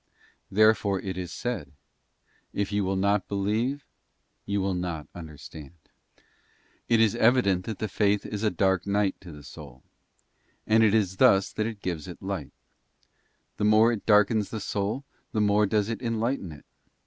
There fore is it said, ' If you will not believe you shall not under stand.' t It is evident that the faith is a dark night to the soul, and Faith though itis thus that it gives it light; the more it darkens the soul lightens the the more does it enlighten it.